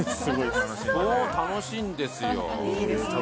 楽しいんですよ。